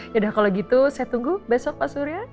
yaudah kalau gitu saya tunggu besok pak surya